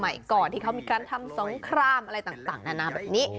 ก่อนที่เขามีการทำสงครามอะไรต่างนานาแบบนี้